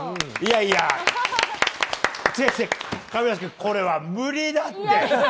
違う、違う、亀梨君、これは無理だって。